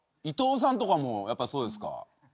伊藤さんとかもやっぱそうですか？